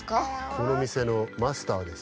このみせのマスターです。